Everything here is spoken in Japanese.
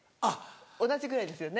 同じぐらいですよね？